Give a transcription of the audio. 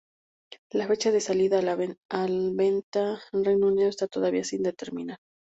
La fecha de salida a venta en el Reino Unido esta todavía sin determinar.